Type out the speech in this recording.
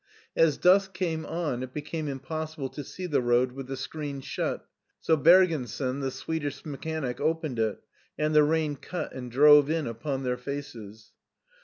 As dusk came on it became impossible to see the road with the screen shut» so Bergensen, the Swedish mechanic, opened it, and the rain cut and drove in upon their faces.